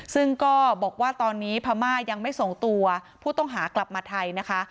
ซึ่งก็บอกว่าตอนนี้พม่ายังไม่ส่งตัวผู้ต้องหากลับมาไทยนะคะ